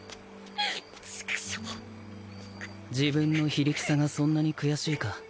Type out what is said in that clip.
自分の非力さがそんなに悔しいか？